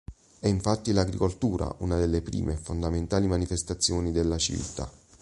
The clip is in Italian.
È infatti l'agricoltura una delle prime e fondamentali manifestazioni della civiltà.